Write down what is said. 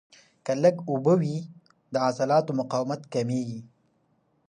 که لږ اوبه وي، د عضلاتو مقاومت کمېږي.